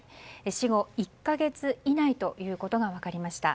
死後１か月以内ということが分かりました。